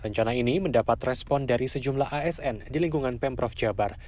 rencana ini mendapat respon dari sejumlah asn di lingkungan pemprov jabar